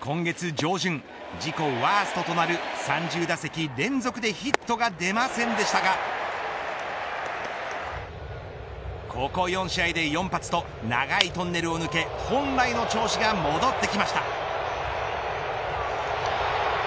今月上旬、自己ワーストとなる３０打席連続でヒットが出ませんでしたがここ４試合で４発と長いトンネルを抜け本来の調子が戻ってきました。